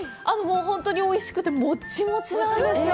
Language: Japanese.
本当においしくて、もちもちなんですよ。